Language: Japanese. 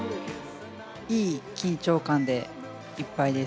いい緊張感でいっぱいです。